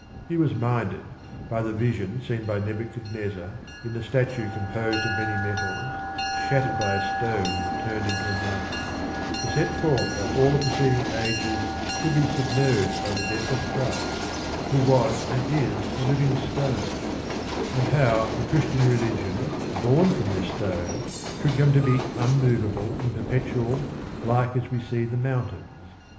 He was minded, by the vision seen by Nebuchadnezzar in the statue composed of many metals, shattered by a stone that turned into a mountain, to set forth how all the preceding ages should be submerged by the death of Christ, who was and is a living stone, and how the Christian religion, born from this stone, should come to be unmovable and perpetual like as we see the mountains.